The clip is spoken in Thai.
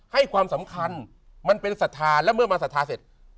ให้ความสำคัญมันเป็นศรัทธาและเมื่อมาศรัทธาเสร็จ